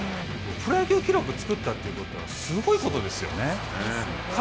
プロ野球記録を作ったということはすごいことですよ。